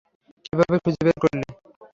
কিভাবে খুঁজে বের করলে?